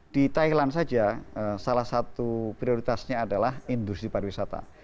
di thailand saja salah satu prioritasnya adalah industri pariwisata